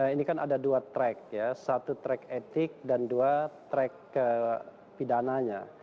ini kan ada dua track ya satu track etik dan dua track pidananya